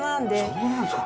そうなんですか。